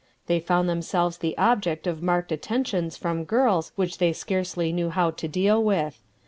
They found themselves the object of marked attentions from girls which they scarcely knew how to deal with.